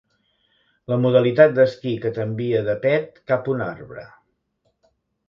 La modalitat d'esquí que t'envia de pet cap a un arbre.